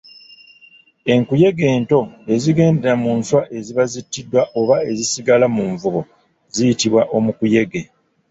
Enkuyege ento ezigendera mu nswa eziba zittiddwa oba ezisigala mu nvubo ziyitibwa omukuyege.